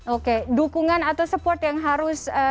oke dukungan atau support yang harus